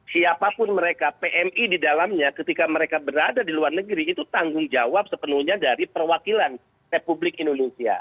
siapapun mereka pmi di dalamnya ketika mereka berada di luar negeri itu tanggung jawab sepenuhnya dari perwakilan republik indonesia